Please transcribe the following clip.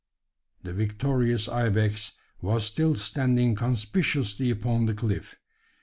The victorious ibex was still standing conspicuously upon the cliff.